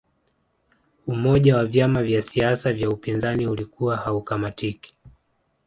umoja wa vyama vya siasa vya upinzani ulikuwa haukamatiki